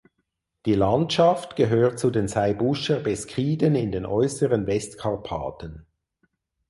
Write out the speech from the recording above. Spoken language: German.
Die Landschaft gehört zu den Saybuscher Beskiden in den Äußeren Westkarpaten.